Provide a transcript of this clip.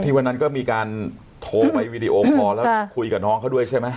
วันนั้นก็มีการโทรไปวีดีโอคอร์แล้วคุยกับน้องเขาด้วยใช่ไหม